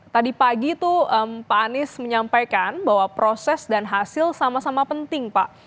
tadi pagi itu pak anies menyampaikan bahwa proses dan hasil sama sama penting pak